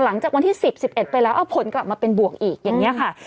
หลังจากวันที่๑๐๑๑ไปแล้วเอาผลกลับมาเป็นบวกอีกอย่างนี้ค่ะ